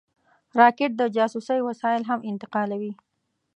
راکټ د جاسوسۍ وسایل هم انتقالوي